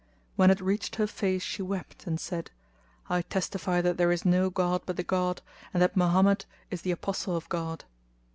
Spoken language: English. When it reached her face she wept and said, "I testify that there is no god but the God and that Mahommed is the Apostle of God!"